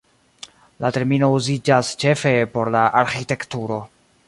La termino uziĝas ĉefe por la arĥitekturo.